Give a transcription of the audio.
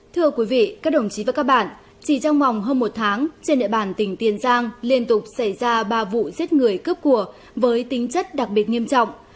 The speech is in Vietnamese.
thưa quý vị các đồng chí và các bạn chỉ trong vòng hơn một tháng trên địa bàn tỉnh tiền giang liên tục xảy ra ba vụ giết người cướp của với tính chất đặc biệt nghiêm trọng